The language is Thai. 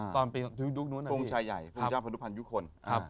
โครงชายใหญ่โครงชาวพันธุภัณฑ์ยุคคล